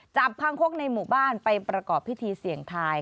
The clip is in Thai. คางคกในหมู่บ้านไปประกอบพิธีเสี่ยงทาย